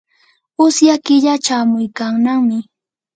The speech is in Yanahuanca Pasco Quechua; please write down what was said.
usya killa chamuykannami.